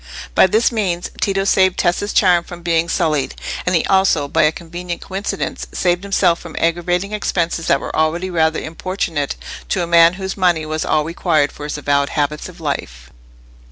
By this means, Tito saved Tessa's charm from being sullied; and he also, by a convenient coincidence, saved himself from aggravating expenses that were already rather importunate to a man whose money was all required for his avowed habits of life.